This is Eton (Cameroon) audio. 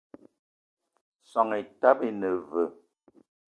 Soan etaba ine veu?